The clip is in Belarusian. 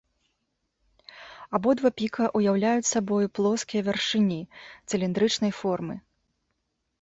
Абодва піка ўяўляюць сабою плоскія вяршыні цыліндрычнай формы.